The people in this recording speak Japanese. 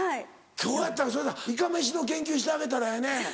今日やったらそしたらいかめしの研究してあげたらええね。